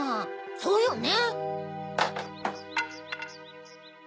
そうよね。